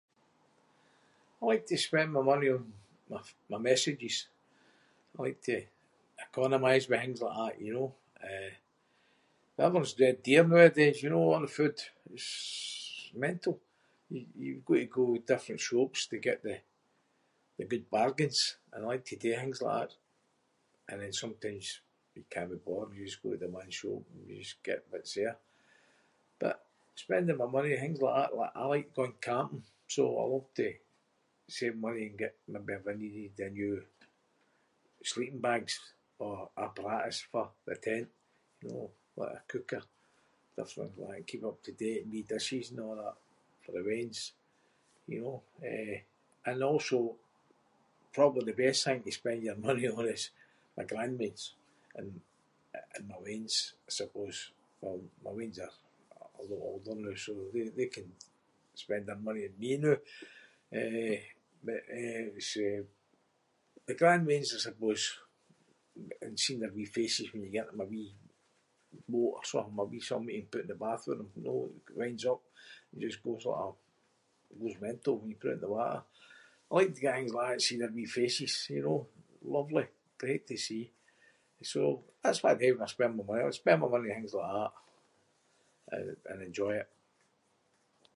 I like to spend my money on my- my messages. I like to economise with things like that, you know. Eh, everything’s dead dear nowadays, you know, a’ the food. It’s mental. Y- you’ve got to go different shops to get the- the good bargains. And I like to do things like that. And then sometimes you cannae be bothered, you just go to the one shop and you just get what’s there. But spending my money- things like that. Like I like going camping, so I love to save money and get- maybe if I needed a new sleeping bags or apparatus for the tent, know, like a cooker. Different things like that and keep me up to date and wee dishes and a' that for the weans, you know? Eh, and I also- probably the best thing to spend your money on is my grandweans and- and my weans, I suppose. In fact, my weans are a lot older noo so they- they can spend their money on me noo. Eh, but, eh, it’s, eh, my grandweans, I suppose a- and seeing their wee faces when you get them a wee boat or something- a wee something you can put in the bath with them, you know? It winds up and it just goes like a- goes mental when you put it in the water. I like to get things like that and see their wee faces, you know? Lovely. Great to see. So, that’s what I do when I spend my money. I spend my money on things like that an- and enjoy it.